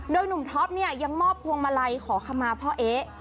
โดยหนุ่มท็อปเนี่ยยังมอบพวงมาลัยขอขมาพ่อเอ๊ะ